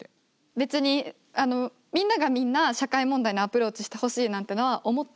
別にみんながみんな社会問題にアプローチしてほしいなんてのは思ってない。